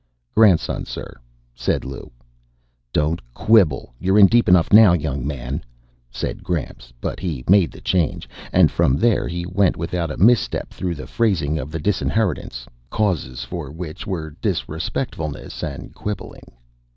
"Grandson, sir," said Lou. "Don't quibble. You're in deep enough now, young man," said Gramps, but he made the change. And, from there, he went without a misstep through the phrasing of the disinheritance, causes for which were disrespectfulness and quibbling.